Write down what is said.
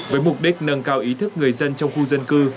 với mục đích nâng cao ý thức người dân trong khu dân cư